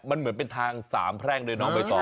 มันเหมือนเป็นทาง๓แพร่งด้วยน้องบ๊ายต้อง